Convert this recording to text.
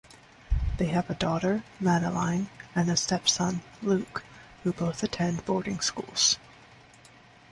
They have a daughter, Madeleine, and a stepson, Luke, who both attend boarding schools.